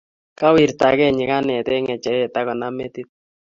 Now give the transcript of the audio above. kawirtagei nyikanet eng ngecheret akonam metit